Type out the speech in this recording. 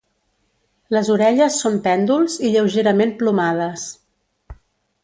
Les orelles són pèndols i lleugerament plomades.